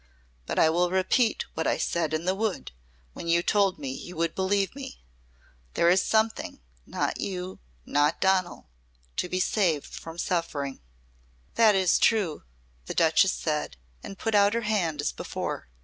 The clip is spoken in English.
But I will repeat what I said in the Wood when you told me you would believe me. There is Something not you not Donal to be saved from suffering." "That is true," the Duchess said and put out her hand as before.